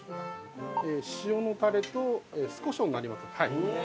塩のタレと酢こしょうになります。